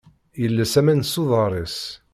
Yelles aman s uḍar-is.